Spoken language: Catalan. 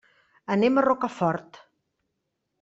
Anem a Rocafort.